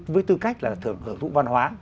với tư cách là thưởng thụ văn hóa